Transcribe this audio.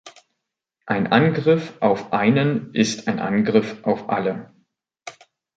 Ein Angriff auf einen ist ein Angriff auf alle.